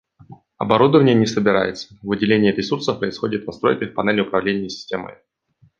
Оборудование не собирается, выделение ресурсов происходит настройкой в панели управления системой